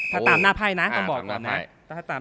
ถ้าตามหน้าไพ่นะต้องบอกก่อนนะ